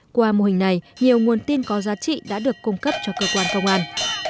qua mô hình này nhiều nguồn tin có giá trị đã được cung cấp cho cơ quan công an